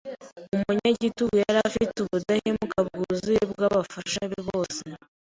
Umunyagitugu yari afite ubudahemuka bwuzuye bw'abafasha be bose.